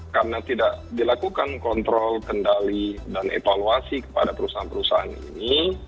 karena tidak dilakukan kontrol kendali dan evaluasi kepada perusahaan perusahaan ini